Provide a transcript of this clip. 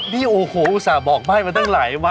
พี่โอ้โหดูสาบินบอกให้มาตั้งหลายวัน